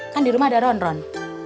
kan di rumah ada ron ron